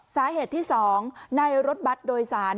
สาเหตุที่๒ในรถบัตรโดยสาร